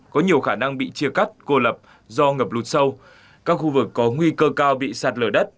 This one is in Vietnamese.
có nhiều khả năng bị chia cắt cô lập do ngập lụt sâu các khu vực có nguy cơ cao bị sạt lở đất